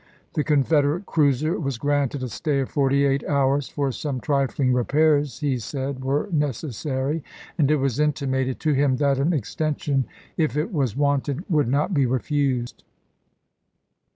The Confederate cruiser was granted a stay of forty eight hours for some trifling repairs he said were necessary, and it was intimated to him that an extension, if it was wanted, would not be refused.